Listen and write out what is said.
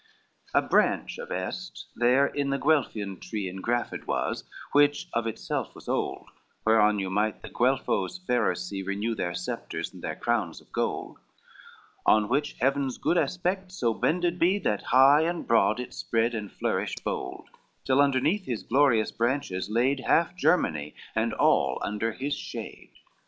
LXXX A branch of Est there in the Guelfian tree Engrafted was, which of itself was old, Whereon you might the Guelfoes fairer see, Renew their sceptres and their crowns of gold, Of which Heaven's good aspects so bended be That high and broad it spread and flourished bold, Till underneath his glorious branches laid Half Germany, and all under his shade.